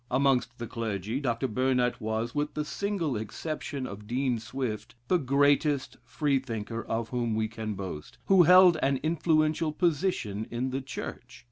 Amongst the clergy, Dr. Burnet was, with the single exception of Dean Swift, the greatest Freethinker of whom we can boast, who held an influential position in the Church.